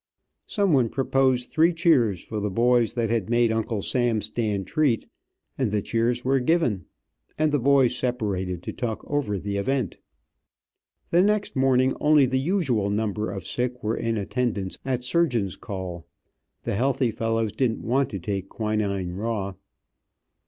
Some one proposed three cheers for the boys that had made Uncle Sam stand treat, and the cheers were given, and the boys separated to talk over the event. The next morning only the usual number of sick were in attendance at surgeon's call. The healthy fellows didn't want to take quinine raw.